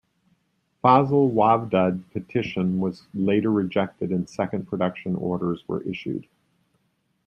Faisal Wavda petition was later rejected and second production orders were issued.